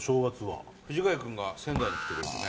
伊達：藤ヶ谷君が仙台に来てくれてね。